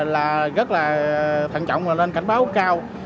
là rất là thận trọng và lên cảnh báo cao